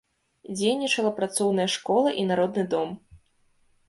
Дзейнічала працоўная школа і народны дом.